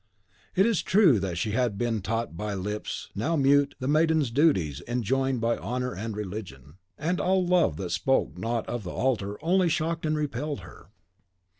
It is true that she had been taught by lips now mute the maiden duties enjoined by honour and religion. And all love that spoke not of the altar only shocked and repelled her.